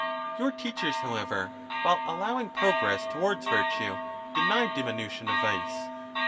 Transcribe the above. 67 Your teachers, however, while allowing progress towards virtue, deny diminution of vice.